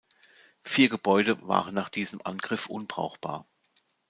Vier Gebäude waren nach diesem Angriff unbrauchbar.